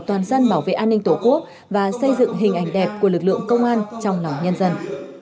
toàn dân bảo vệ an ninh tổ quốc và xây dựng hình ảnh đẹp của lực lượng công an trong lòng nhân dân